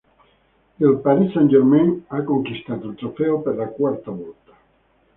Il Paris Saint-Germain ha conquistato il trofeo per la quarta volta.